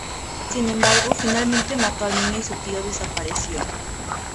Sin embargo, finalmente mató al niño y su tío desapareció.